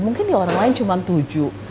mungkin di orang lain cuma tujuh